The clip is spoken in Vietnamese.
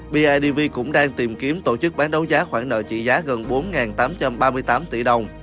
bidv cũng đang tìm kiếm tổ chức bán đấu giá khoản nợ trị giá gần bốn tám trăm ba mươi tám tỷ đồng